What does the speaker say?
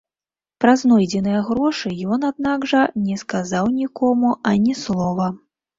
Пра знойдзеныя грошы ён, аднак жа, не сказаў нікому ані слова.